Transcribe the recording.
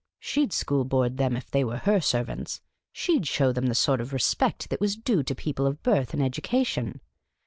She 'd School Board them if they were her servants ; she 'd show them the sort of respect that was due to people of birth and education.